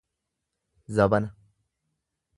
zabana